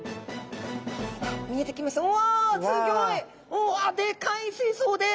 おわっでかい水槽です！